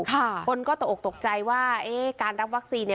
คนก็ตกออกตกใจว่าการรับวัคซีน